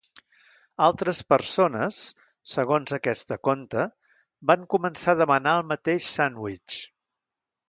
Altres persones, segons aquesta conta, van començar a demanar el mateix Sandwich!